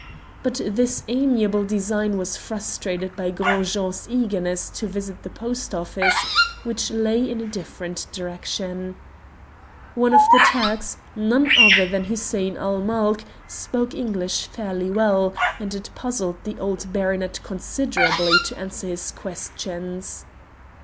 But this amiable design was frustrated by Gros Jean's eagerness to visit the post office, which lay in a different direction. One of the Turks, none other than Hussein ul Mulk, spoke English fairly well, and it puzzled the old baronet considerably to answer his questions.